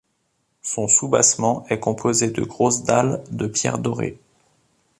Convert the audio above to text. Son soubassement est composé de grosses dalles de pierre dorées.